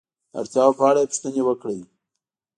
د اړتیاو په اړه یې پوښتنې وکړئ.